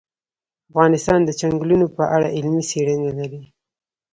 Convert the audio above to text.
افغانستان د چنګلونه په اړه علمي څېړنې لري.